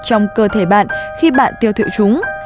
trong cơ thể bạn khi bạn tiêu thụ chúng